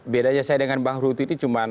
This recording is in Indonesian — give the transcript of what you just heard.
bedanya saya dengan bang rutin ini cuma